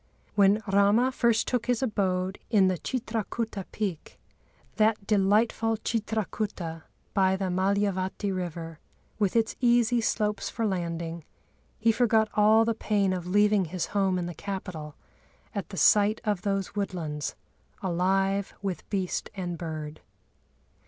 "When Râma first took his abode in the Chitrakuta peak, that delightful Chitrakuta, by the Mâlyavati river, with its easy slopes for landing, he forgot all the pain of leaving his home in the capital at the sight of those woodlands, alive with beast and bird."